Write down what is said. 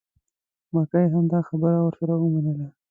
مکۍ هم دا خبره ورسره ومنله.